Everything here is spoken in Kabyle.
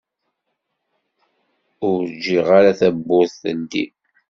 Ur ǧǧiɣ ara tawwurt teldi.